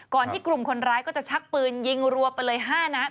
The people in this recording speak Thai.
ที่กลุ่มคนร้ายก็จะชักปืนยิงรัวไปเลย๕นัด